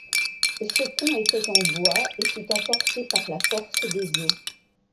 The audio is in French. Ce pont était en bois et fut emporté par la force des eaux.